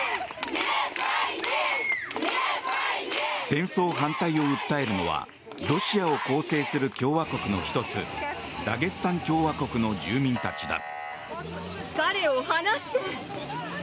戦争反対を訴えるのはロシアを構成する共和国の１つダゲスタン共和国の住民たちだ。